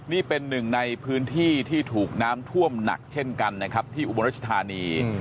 นี่เป็นหนึ่งในพื้นที่ที่ถูกน้ำท่วมหนักเช่นกันนะครับที่อุบลรัชธานี